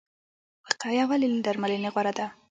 وقایه ولې له درملنې غوره ده؟